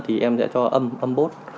thì em sẽ cho âm bốt